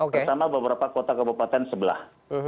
pertama beberapa kota kabupaten sebelah